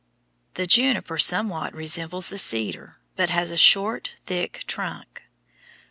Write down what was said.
The juniper somewhat resembles the cedar, but has a short, thick trunk.